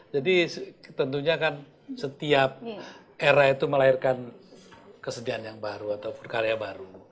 jadi tentunya kan setiap era itu melahirkan kesedihan yang baru ataupun karya baru